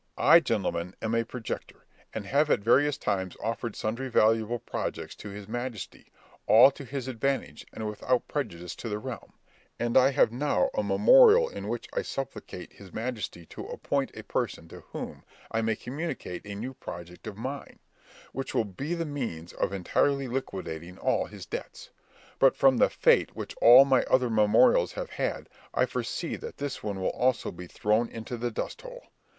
I, gentlemen, am a projector, and have at various times offered sundry valuable projects to his majesty, all to his advantage, and without prejudice to the realm; and I have now a memorial in which I supplicate his majesty to appoint a person to whom I may communicate a new project of mine, which will be the means of entirely liquidating all his debts. But from the fate which all my other memorials have had, I foresee that this one also will be thrown into the dust hole.